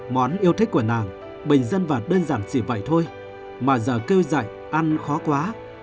món yêu thích của nàng bình dân và đơn giản chỉ vậy thôi mà giờ kêu dạy ăn khó quá